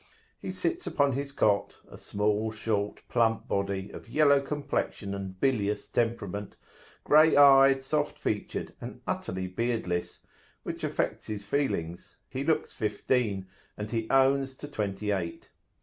He sits upon his cot, a small, short, plump body, of yellow complexion and bilious temperament, grey eyed, soft featured, and utterly beardless, which affects his feelings, he looks fifteen, and he owns to twenty eight.